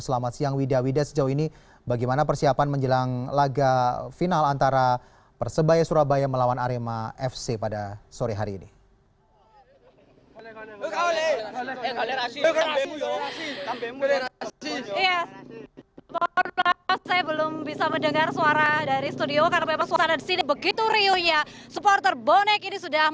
selamat siang wida wida sejauh ini bagaimana persiapan menjelang laga final antara persebaya surabaya melawan arema fc pada sore hari ini